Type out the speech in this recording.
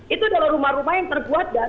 itu adalah rumah yang terbatas